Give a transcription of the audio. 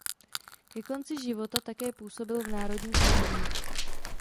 Ke konci života také působil v Národní knihovně.